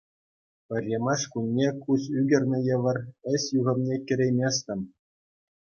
Пӗрремӗш кунне куҫ ӳкернӗ евӗр ӗҫ юхӑмне кӗрейместӗм.